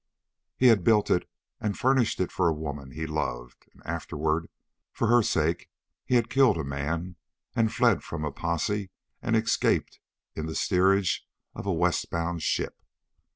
He had built it and furnished it for a woman he loved, and afterward for her sake he had killed a man and fled from a posse and escaped in the steerage of a west bound ship.